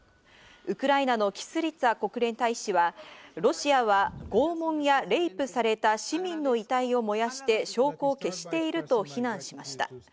ウクライナのキスリツァ国連大使はロシアは拷問やレイプされた市民の遺体を燃やして証拠を消していると非難しました。